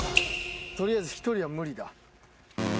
取りあえず１人は無理だ。